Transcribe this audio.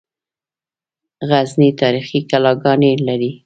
غزني تاریخي کلاګانې لري